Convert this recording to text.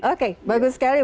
oke bagus sekali